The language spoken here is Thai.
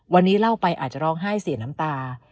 วันนี้เล่าไปอาจจะร้องไห้เสียน้ำตา